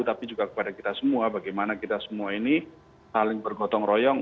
tapi juga kepada kita semua bagaimana kita semua ini saling bergotong royong